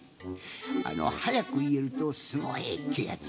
あのはやくいえるとすごいっていうやつ。